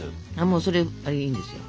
もうそれいいんですよ。